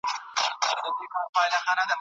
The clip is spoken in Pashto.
ښوونې د ماشوم فکري وړتیا لوړوي.